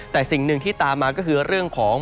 แต่สิ่งหนึ่งที่ตามมาก็คือเรื่องของ